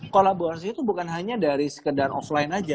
kolaborasi itu bukan hanya dari sekedar offline aja